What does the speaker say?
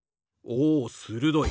おするどい。